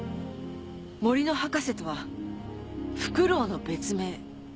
「森の博士」とはフクロウの別名。